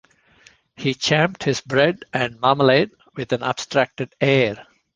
He champed his bread and marmalade with an abstracted air.